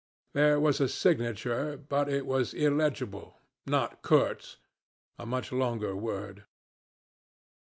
There was a signature, but it was illegible not Kurtz a much longer word.